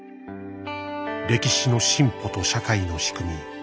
歴史の進歩と社会の仕組み。